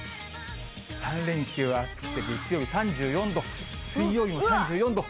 ３連休は暑くて、月曜日３４度、水曜日も３４度。